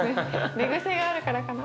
寝癖があるからかな？